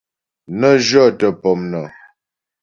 Nə jyɔ́tə pɔmnəŋ.